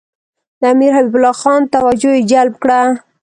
د امیر حبیب الله خان توجه یې جلب کړه.